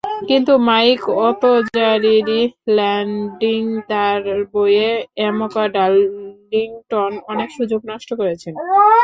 কিন্তু Mike Otojareri, landing দারবোয়ে, Emeka Darlington অনেক সুযোগ নষ্ট করেছেন।